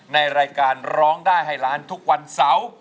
ในรายการร้องได้ให้ล้านทุกวันเสาร์